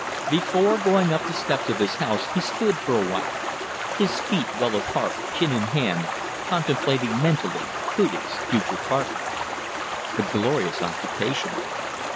Before going up the steps of his house he stood for awhile, his feet well apart, chin in hand, contemplating mentally Hudig's future partner. A glorious occupation.